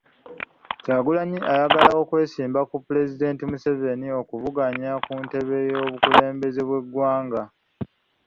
Kyagulanyi ayagala okwesimba ku pulezidenti Museveni okuvuganya ku ntebe y'obukulembeze bw'eggwanga.